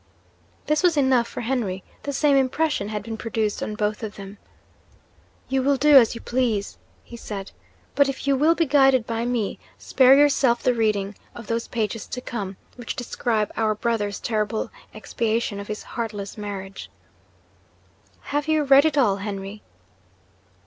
This was enough for Henry: the same impression had been produced on both of them. 'You will do as you please,' he said. 'But if you will be guided by me, spare yourself the reading of those pages to come, which describe our brother's terrible expiation of his heartless marriage.' 'Have you read it all, Henry?'